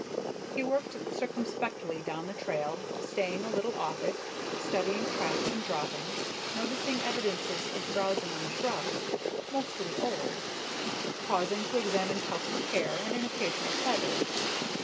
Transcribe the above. He worked circumspectly down the trail, staying a little off it, studying tracks and droppings, noticing evidences of browsing on the shrubs mostly old pausing to examine tufts of hair and an occasional feather.